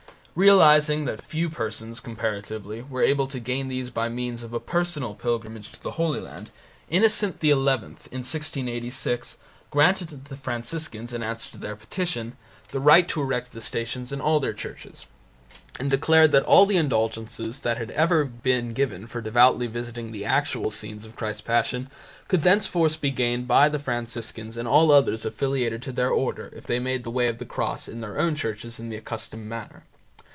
Realizing that few persons, comparatively, were able to gain these by means of a personal pilgrimage to the Holy Land, Innocent XI, in 1686, granted to the Franciscans, in answer to their petition, the right to erect the Stations in all their churches, and declared that all the indulgences that had ever been given for devoutly visiting the actual scenes of Christ's Passion, could thenceforth be gained by Franciscans and all others affiliated to their order if they made the Way of the Cross in their own churches in the accustomed manner.